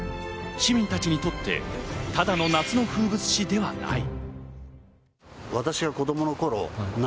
市民たちにとって、ただの夏の風物詩ではない。